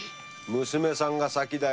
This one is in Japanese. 娘さんが先だ。